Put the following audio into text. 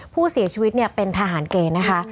ผู้เสียชีวิตเป็นทหารเกณฑ์นะคะ